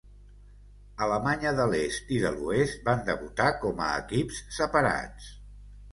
Alemanya de l'Est i de l'Oest van debutar com a equips separats.